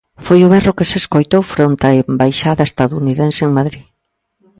Foi o berro que se escoitou fronte á embaixada estadounidense en Madrid.